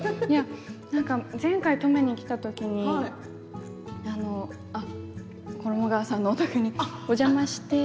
前回、登米に来たときに衣川さんのお宅にお邪魔して。